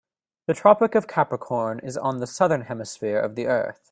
The Tropic of Capricorn is on the Southern Hemisphere of the earth.